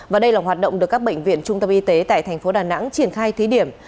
và đây là hoạt động được các bệnh viện trung tâm y tế tại thành phố đà nẵng triển khai thí điểm